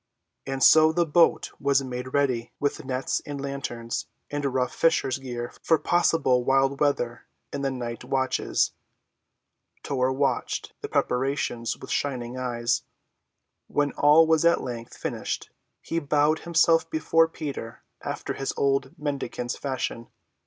And so the boat was made ready, with nets and lanterns, and rough fisher's gear for possible wild weather in the night watches. Tor watched the preparations with shining eyes. When all was at length finished he bowed himself before Peter after his old mendicant's fashion.